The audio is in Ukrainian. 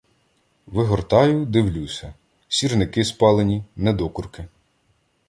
Вигортаю, дивлюся — сірники спалені, недокурки.